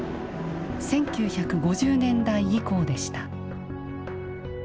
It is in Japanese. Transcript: １９５０年代以降でした。